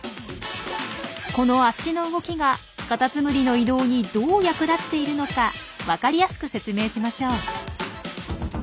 この足の動きがカタツムリの移動にどう役立っているのか分かりやすく説明しましょう。